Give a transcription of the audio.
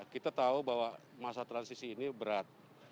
kita tahu bahwa masa transisi ini berat